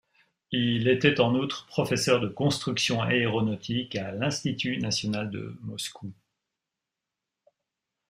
Il était en outre professeur de construction aéronautique à l'institut national de Moscou.